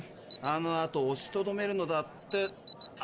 あの後おしとどめるのだって。